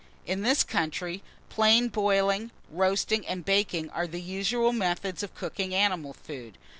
IN THIS COUNTRY, plain boiling, roasting, and baking are the usual methods of cooking animal food.